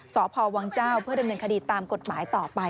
สพวังเจ้าเพื่อดำเนินคดีตามกฎหมายต่อไป